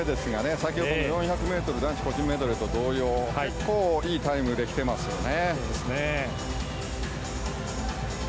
先ほどの４００ｍ男子個人メドレーと同様いいタイムで来ていますよね。